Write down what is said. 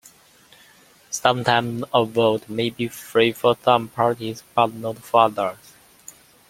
Sometimes a vote may be free for some parties but not for others.